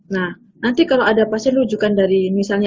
nanti kalau ada pasti rujukan dari misalnya